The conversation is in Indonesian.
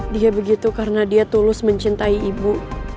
dia begitu karena dia tulus mencintai ibu